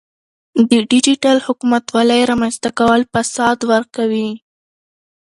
د ډیجیټل حکومتولۍ رامنځته کول فساد ورکوي.